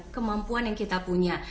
kemampuan yang kita punya